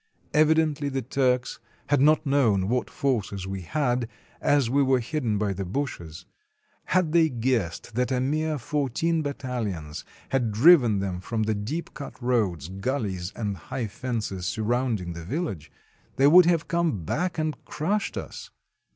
Evidently the Turks had not known what forces we had, as we were hidden by the bushes; had they guessed that a mere fourteen battalions had driven them from the deep cut roads, gullies, and high fences sur rounding the village, they would have come back and crushed us.